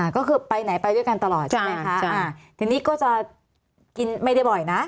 ก็คือไปไหนไปด้วยกันตลอดใช่ไหมคะทีนี้ก็จะกินไม่ได้บ่อยนะ